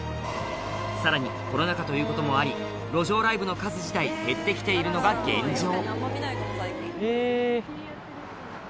さらにコロナ禍ということもあり路上ライブの数自体減って来ているのが現状